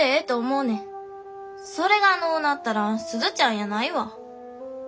それがのうなったら鈴ちゃんやないわ。